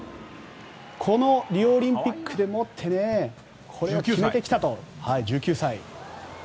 このリオオリンピックでもって決めてきたと、１９歳。